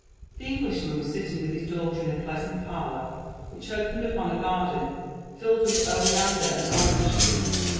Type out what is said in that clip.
The Englishman was si((ing wi(h his daughter in a pleasant parlour which opened upon a garden filled wi(h oleander and orange lrees.